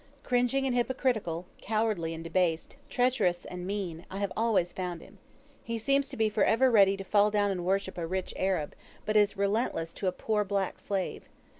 Cringing and hypocritical, cowardly and debased, treacherous and mean, I have always found him. He seems to be for ever ready to fall down and worship a rich Arab, but is relentless to a poor black slave.